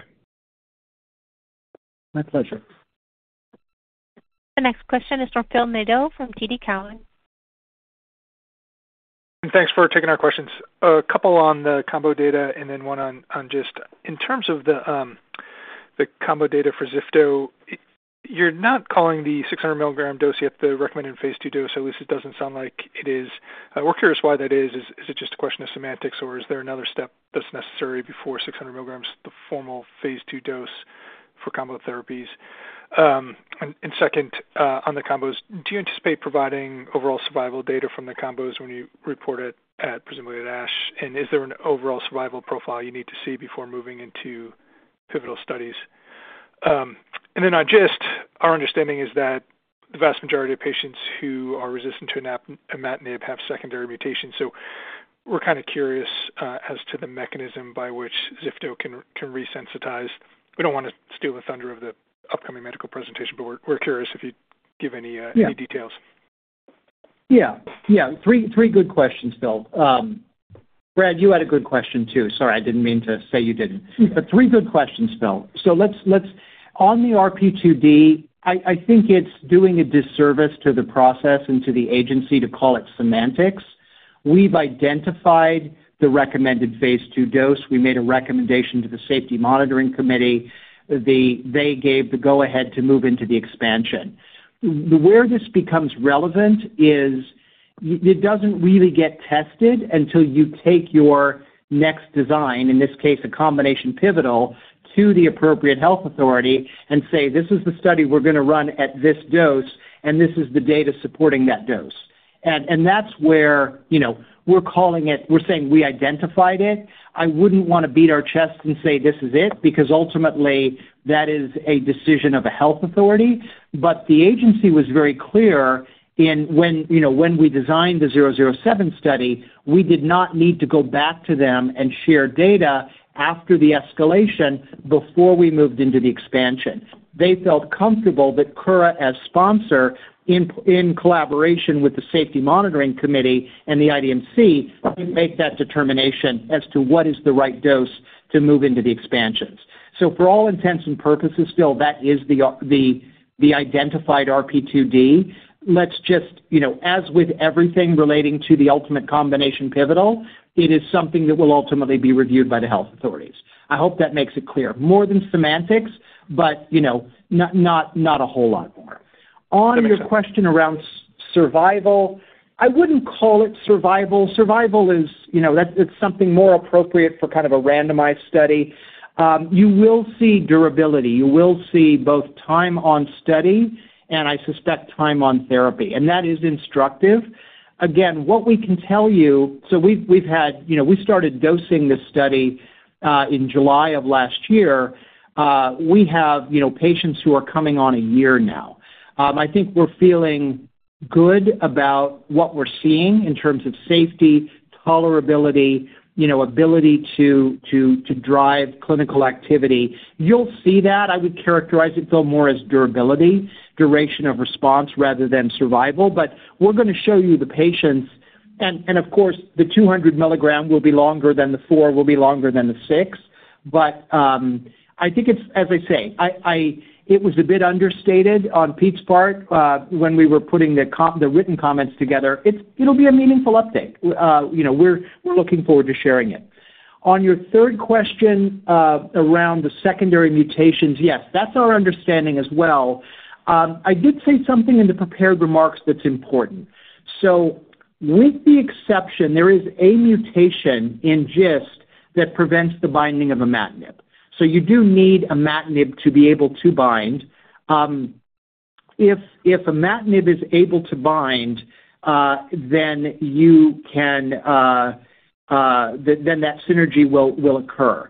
My pleasure. The next question is from Phil Nadeau from TD Cowen. Thanks for taking our questions. A couple on the combo data and then one on just in terms of the combo data for ziftomenib. You're not calling the 600 mg dose yet the recommended phase 2 dose, at least it doesn't sound like it is. We're curious why that is. Is it just a question of semantics, or is there another step that's necessary before 600 mg, the formal phase 2 dose for combo therapies? And second, on the combos, do you anticipate providing overall survival data from the combos when you report it presumably at ASH? And is there an overall survival profile you need to see before moving into pivotal studies? And then on just our understanding is that the vast majority of patients who are resistant to imatinib have secondary mutations, so we're kind of curious as to the mechanism by which ziftomenib can resensitize. We don't wanna steal the thunder of the upcoming medical presentation, but we're curious if you'd give any. Yeah. Any details. Yeah, yeah, three, three good questions, Phil. Brad, you had a good question, too. Sorry, I didn't mean to say you didn't. But three good questions, Phil. So let's... On the RP2D, I think it's doing a disservice to the process and to the agency to call it semantics. We've identified the recommended phase 2 dose. We made a recommendation to the safety monitoring committee. They gave the go-ahead to move into the expansion. Where this becomes relevant is, it doesn't really get tested until you take your next design, in this case, a combination pivotal, to the appropriate health authority and say, "This is the study we're gonna run at this dose, and this is the data supporting that dose." And that's where, you know, we're calling it, we're saying we identified it. I wouldn't wanna beat our chest and say, "This is it," because ultimately, that is a decision of a health authority. But the agency was very clear in when, you know, when we designed the 007 study, we did not need to go back to them and share data after the escalation before we moved into the expansion. They felt comfortable that Kura, as sponsor, in collaboration with the safety monitoring committee and the IDMC, can make that determination as to what is the right dose to move into the expansions. So for all intents and purposes, Phil, that is the identified RP2D. Let's just, you know, as with everything relating to the ultimate combination pivotal, it is something that will ultimately be reviewed by the health authorities. I hope that makes it clear. More than semantics, but, you know, not a whole lot more. On your question around survival, I wouldn't call it survival. Survival is, you know, it's something more appropriate for kind of a randomized study. You will see durability. You will see both time on study and I suspect time on therapy, and that is instructive. Again, what we can tell you... So we've had, you know, we started dosing this study in July of last year. We have, you know, patients who are coming on a year now. I think we're feeling good about what we're seeing in terms of safety, tolerability, you know, ability to drive clinical activity. You'll see that. I would characterize it, though, more as durability, duration of response rather than survival. But we're gonna show you the patients, and of course, the 200 milligram will be longer than the 40, will be longer than the 60. But I think it's, as I say, it was a bit understated on Pete's part when we were putting the written comments together. It'll be a meaningful update. You know, we're looking forward to sharing it. On your third question, around the secondary mutations, yes, that's our understanding as well. I did say something in the prepared remarks that's important. So with the exception, there is a mutation in GIST that prevents the binding of imatinib. So you do need imatinib to be able to bind. If imatinib is able to bind, then you can, then that synergy will occur.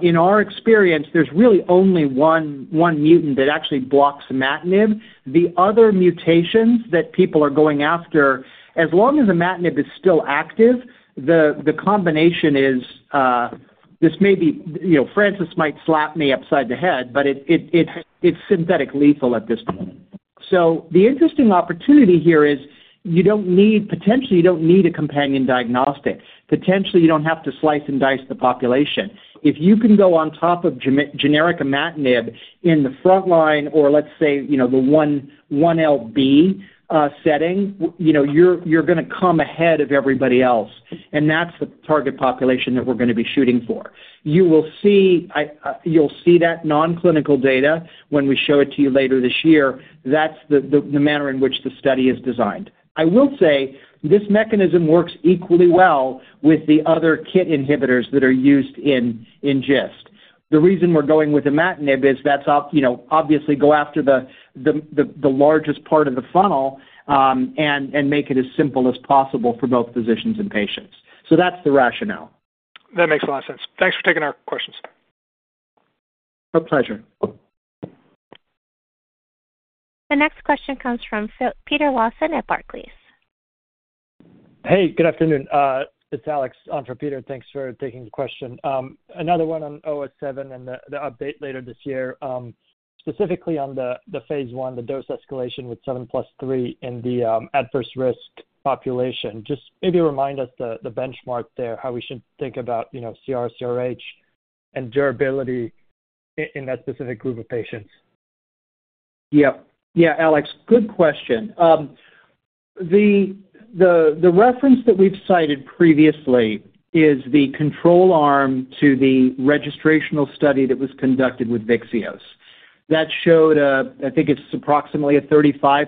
In our experience, there's really only one mutant that actually blocks imatinib. The other mutations that people are going after, as long as imatinib is still active, the combination is, this may be, you know, Francis might slap me upside the head, but it's synthetic lethal at this point. So the interesting opportunity here is you don't need - potentially, you don't need a companion diagnostic. Potentially, you don't have to slice and dice the population. If you can go on top of generic imatinib in the frontline, or let's say, you know, the 1L setting, you know, you're gonna come ahead of everybody else, and that's the target population that we're gonna be shooting for. You will see, you'll see that non-clinical data when we show it to you later this year. That's the manner in which the study is designed. I will say this mechanism works equally well with the other KIT inhibitors that are used in GIST. The reason we're going with imatinib is that's you know, obviously go after the largest part of the funnel, and make it as simple as possible for both physicians and patients. So that's the rationale. That makes a lot of sense. Thanks for taking our questions. My pleasure. The next question comes from Peter Lawson at Barclays. Hey, good afternoon. It's Alex on for Peter, thanks for taking the question. Another one on KOMET-007 and the update later this year. Specifically on the phase 1, the dose escalation with 7+3 in the adverse risk population. Just maybe remind us the benchmark there, how we should think about, you know, CR, CRh and durability in that specific group of patients? Yep. Yeah, Alex, good question. The reference that we've cited previously is the control arm to the registrational study that was conducted with Vyxeos. That showed, I think it's approximately a 35%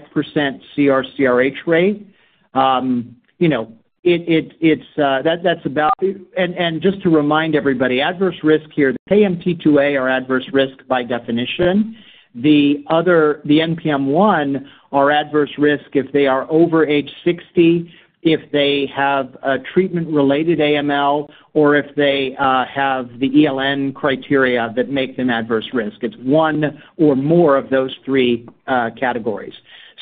CR/CRh rate. You know, it's about- And just to remind everybody, adverse risk here, the KMT2A are adverse risk by definition. The other, the NPM1, are adverse risk if they are over age 60, if they have a treatment-related AML, or if they have the ELN criteria that make them adverse risk. It's one or more of those three categories.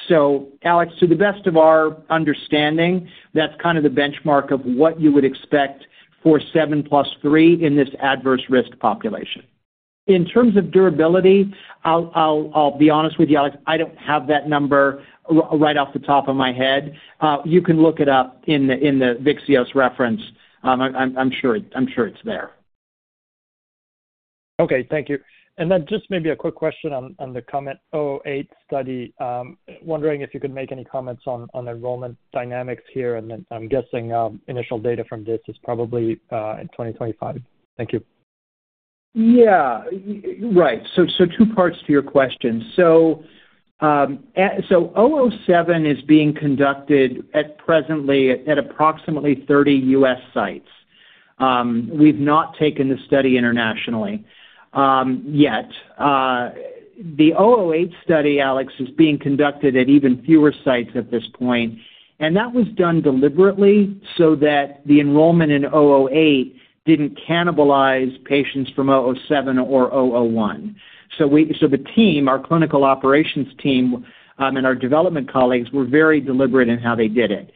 So Alex, to the best of our understanding, that's kind of the benchmark of what you would expect for 7+3 in this adverse risk population. In terms of durability, I'll be honest with you, Alex. I don't have that number right off the top of my head. You can look it up in the Vyxeos reference. I'm sure it's there. Okay, thank you. And then just maybe a quick question on the KOMET-008 study. Wondering if you could make any comments on enrollment dynamics here, and then I'm guessing initial data from this is probably in 2025. Thank you. Yeah. Right. So, two parts to your question. So, KOMET-007 is being conducted presently at approximately 30 U.S. sites. We've not taken the study internationally yet. The KOMET-008 study, Alex, is being conducted at even fewer sites at this point, and that was done deliberately so that the enrollment in KOMET-008 didn't cannibalize patients from KOMET-007 or KOMET-001. So the team, our clinical operations team, and our development colleagues, were very deliberate in how they did it.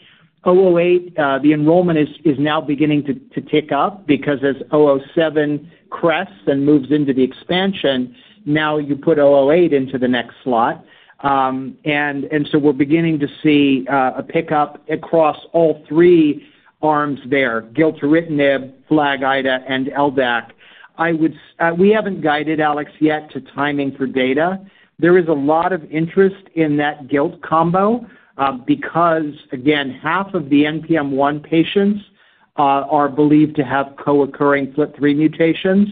KOMET-008, the enrollment is now beginning to tick up because as KOMET-007 crests and moves into the expansion, now you put KOMET-008 into the next slot. And so we're beginning to see a pickup across all three arms there, gilteritinib, FLAG-Ida, and LDAC. I would, we haven't guided Alex yet to timing for data. There is a lot of interest in that gilteritinib combo, because, again, half of the NPM1 patients are believed to have co-occurring FLT3 mutations.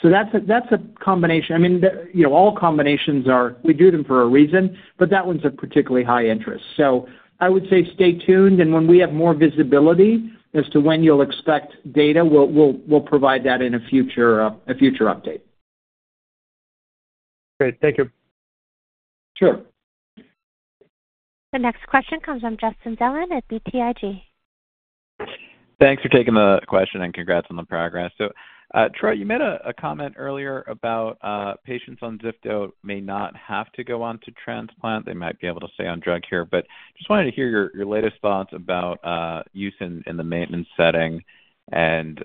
So that's a, that's a combination, I mean, the, you know, all combinations are... We do them for a reason, but that one's a particularly high interest. So I would say stay tuned, and when we have more visibility as to when you'll expect data, we'll provide that in a future update. Great. Thank you. Sure. The next question comes from Justin Zelin at BTIG. Thanks for taking the question, and congrats on the progress. Troy, you made a comment earlier about patients on ziftomenib who may not have to go on to transplant. They might be able to stay on drug here, but just wanted to hear your latest thoughts about use in the maintenance setting. And,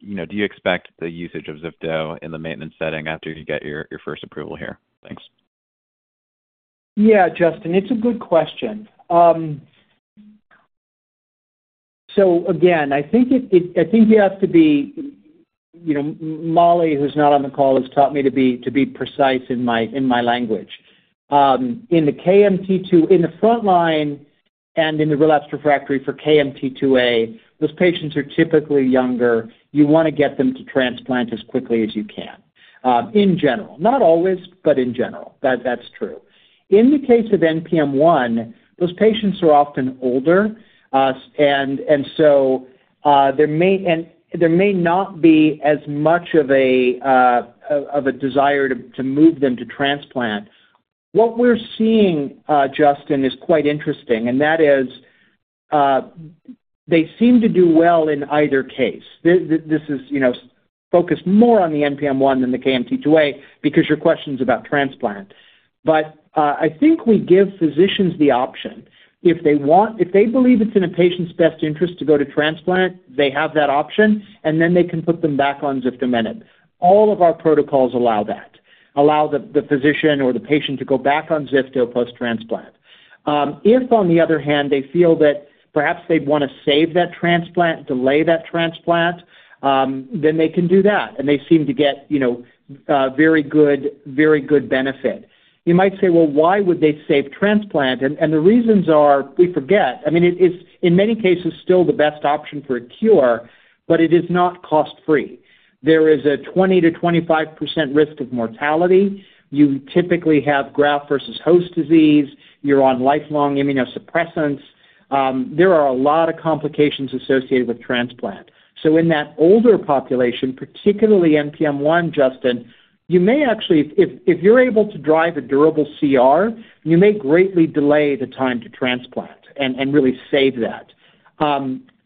you know, do you expect the usage of ziftomenib in the maintenance setting after you get your first approval here? Thanks. Yeah, Justin, it's a good question. So again, I think you have to be, you know, Mollie, who's not on the call, has taught me to be precise in my language. In the KMT2A, in the front line and in the relapsed refractory for KMT2A, those patients are typically younger. You want to get them to transplant as quickly as you can, in general. Not always, but in general. That's true. In the case of NPM1, those patients are often older, and so, there may and there may not be as much of a desire to move them to transplant. What we're seeing, Justin, is quite interesting, and that is, they seem to do well in either case. This is, you know, focused more on the NPM1 than the KMT2A because your question's about transplant. But, I think we give physicians the option. If they want. If they believe it's in a patient's best interest to go to transplant, they have that option, and then they can put them back on ziftomenib. All of our protocols allow that, allow the physician or the patient to go back on ziftomenib post-transplant. If, on the other hand, they feel that perhaps they'd want to save that transplant, delay that transplant, then they can do that, and they seem to get, you know, very good, very good benefit. You might say, "Well, why would they save transplant?" And the reasons are, we forget, I mean, it, it's in many cases still the best option for a cure, but it is not cost-free. There is a 20%-25% risk of mortality. You typically have graft versus host disease. You're on lifelong immunosuppressants. There are a lot of complications associated with transplant. So in that older population, particularly NPM1, Justin, you may actually, if you're able to drive a durable CR, you may greatly delay the time to transplant and really save that.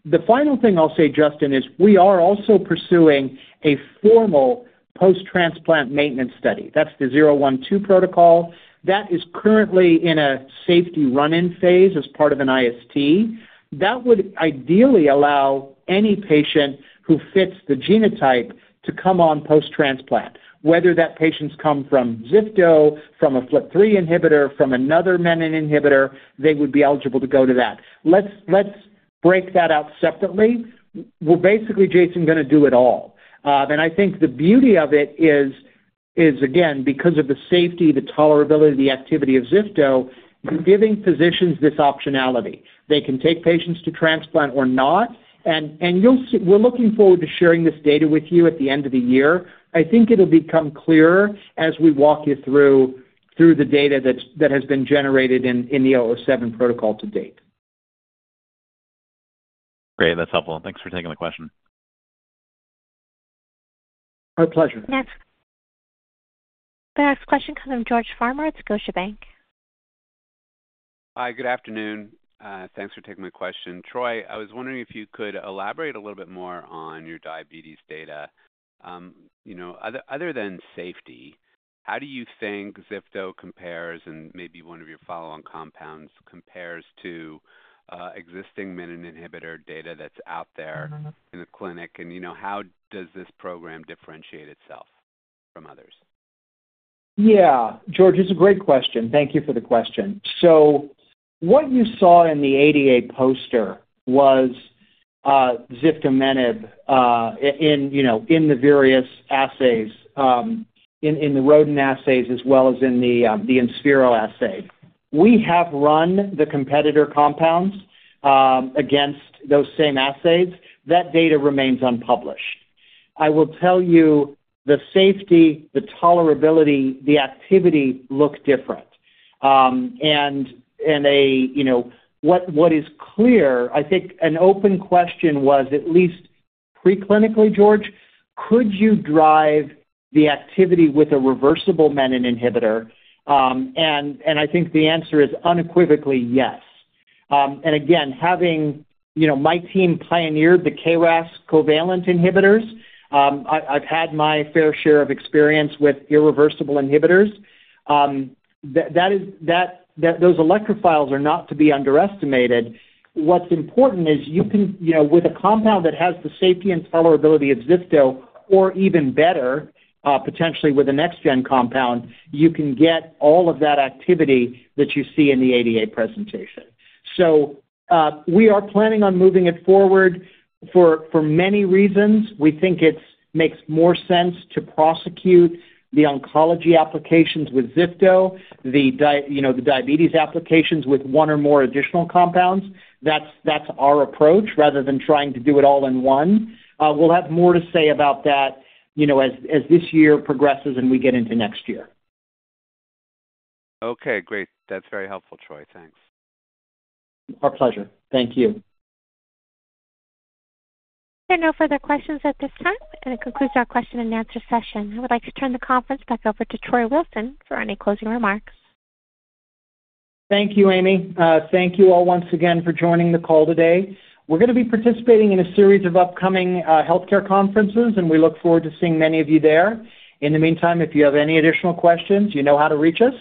The final thing I'll say, Justin, is we are also pursuing a formal post-transplant maintenance study. That's the 012 protocol. That is currently in a safety run-in phase as part of an IST. That would ideally allow any patient who fits the genotype to come on post-transplant, whether that patients come from ziftomenib, from a FLT3 inhibitor, from another menin inhibitor, they would be eligible to go to that. Let's break that out separately. We're basically, Jason, gonna do it all. Then I think the beauty of it is, is again, because of the safety, the tolerability, the activity of ziftomenib, we're giving physicians this optionality. They can take patients to transplant or not, and, and you'll see... We're looking forward to sharing this data with you at the end of the year. I think it'll become clearer as we walk you through, through the data that's, that has been generated in, in the KOMET-007 protocol to date. Great. That's helpful, and thanks for taking the question. My pleasure. Next. The next question comes from George Farmer at Scotiabank. Hi, good afternoon. Thanks for taking my question. Troy, I was wondering if you could elaborate a little bit more on your diabetes data. You know, other than safety, how do you think ziftomenib compares and maybe one of your follow-on compounds compares to existing menin inhibitor data that's out there? Mm-hmm. In the clinic? And, you know, how does this program differentiate itself from others? Yeah, George, it's a great question. Thank you for the question. So what you saw in the ADA poster was ziftomenib, you know, in the various assays, in the rodent assays as well as in the InSphero assay. We have run the competitor compounds against those same assays. That data remains unpublished. I will tell you the safety, the tolerability, the activity look different. You know, what is clear, I think an open question was at least preclinically, George, could you drive the activity with a reversible menin inhibitor? And I think the answer is unequivocally yes. And again, having you know, my team pioneered the KRAS covalent inhibitors, I've had my fair share of experience with irreversible inhibitors. That is, that those electrophiles are not to be underestimated. What's important is you can, you know, with a compound that has the safety and tolerability of ziftomenib, or even better, potentially with a next gen compound, you can get all of that activity that you see in the ADA presentation. So, we are planning on moving it forward for, for many reasons. We think it's makes more sense to prosecute the oncology applications with ziftomenib, You know, the diabetes applications with one or more additional compounds. That's, that's our approach, rather than trying to do it all in one. We'll have more to say about that, you know, as, as this year progresses and we get into next year. Okay, great. That's very helpful, Troy. Thanks. Our pleasure. Thank you. There are no further questions at this time, and it concludes our question and answer session. I would like to turn the conference back over to Troy Wilson for any closing remarks. Thank you, Amy. Thank you all once again for joining the call today. We're gonna be participating in a series of upcoming healthcare conferences, and we look forward to seeing many of you there. In the meantime, if you have any additional questions, you know how to reach us.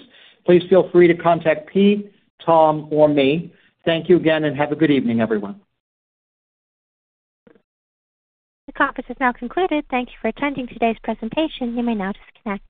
Please feel free to contact Pete, Tom, or me. Thank you again, and have a good evening, everyone. The conference is now concluded. Thank you for attending today's presentation. You may now disconnect.